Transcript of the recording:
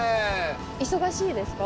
忙しいですか？